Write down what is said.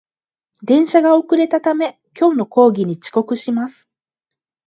電車が遅れたため、今日の講義に遅刻します